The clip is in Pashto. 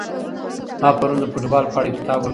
ما پرون د فوټبال په اړه یو کتاب ولوست.